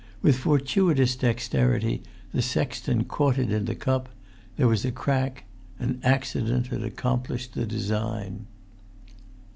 With fortuitous dexterity, the sexton caught it in the cup; there was a crack; and accident had accomplished the design.